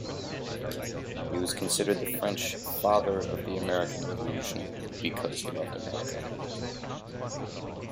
He was considered the French "Father of the American Revolution" because he loved America.